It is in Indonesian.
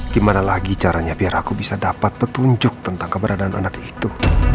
gimana lagi caranya biar aku bisa dapat petunjuk tentang keberadaan anak itu